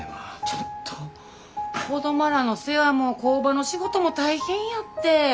ちょっと子供らの世話も工場の仕事も大変やって。